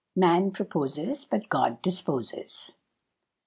"Man proposes, but God disposes."